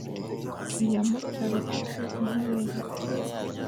iya mutara uko iteze nkubereke